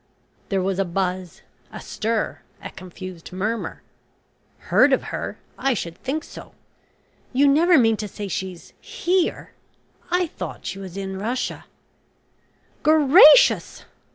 There was a buzz a stir a confused murmur. "Heard of her I should think so. You never mean to say she's here? I thought she was in Russia " "Gracious!"